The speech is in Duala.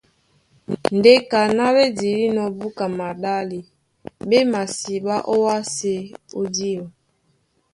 Ndé kaná ɓé dilínɔ̄ búka maɗále, ɓé masiɓá ówásē ó diɔ.